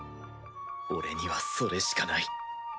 俺にはそれしかない。